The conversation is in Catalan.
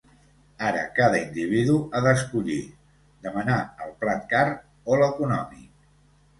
Ara cada individu ha d'escollir demanar el plat car o l'econòmic.